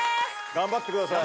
頑張ってください。